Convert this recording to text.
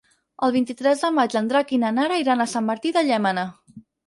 El vint-i-tres de maig en Drac i na Nara iran a Sant Martí de Llémena.